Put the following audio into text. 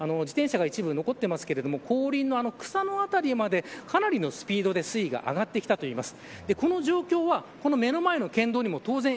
自転車が一部残ってますけれども後輪の草の辺りまでかなりのスピードで水位が上がってきたといいます。